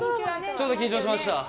ちょっと緊張しました。